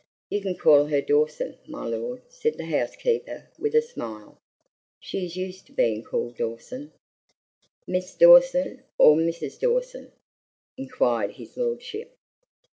"You can call her Dawson, my lord," said the housekeeper with a smile. "She is used to being called Dawson." "MISS Dawson, or MRS. Dawson?" inquired his lordship.